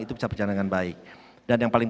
itu bisa berjalan dengan baik dan yang paling